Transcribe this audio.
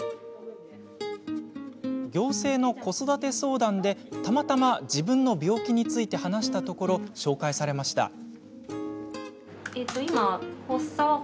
行政の子育て相談で、たまたま自分の病気について話したところ紹介されました。